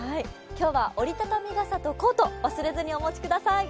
今日は折り畳み傘とコート、忘れずにお持ちください。